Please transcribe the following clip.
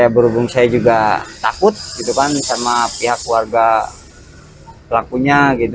berhubung saya juga takut sama pihak warga pelakunya